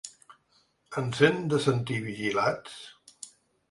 Ens hem de sentir vigilats?